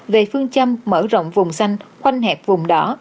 về phương châm mở rộng vùng xanh quanh hẹp vùng đỏ